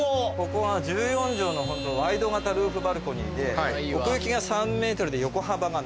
ここは１４帖のワイド型ルーフバルコニーで奥行きが３ｍで横幅が７ｍ。